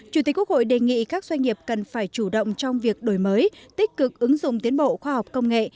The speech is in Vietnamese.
chủ tịch quốc hội đề nghị các doanh nghiệp cần phải chủ động trong việc đổi mới tích cực ứng dụng tiến bộ khoa học công nghệ